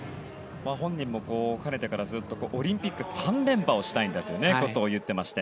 本人も兼ねてからずっとオリンピック３連覇をしたいんだということを言っていまして。